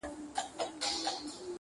چا یوه او چا بل لوري ته ځغستله -